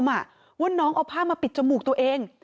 ว่าน้องเอาผ้ามาปิดจมูกตัวเอง